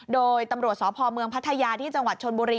โดยตำรวจสพเมืองพัทยาที่จังหวัดชนบุรี